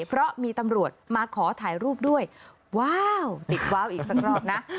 เพราะมีตำรวจมาขอถ่ายรูปด้วยว้าวดิกว้าวอีกสักรอบนะ